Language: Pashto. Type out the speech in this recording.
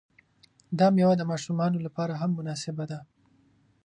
دا میوه د ماشومانو لپاره هم مناسبه ده.